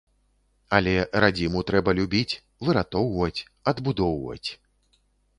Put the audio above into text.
Але радзіму трэба любіць, выратоўваць, адбудоўваць.